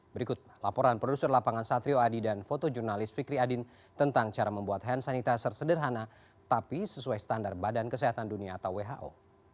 berikut laporan produser lapangan satrio adi dan fotojurnalis fikri adin tentang cara membuat hand sanitizer sederhana tapi sesuai standar badan kesehatan dunia atau who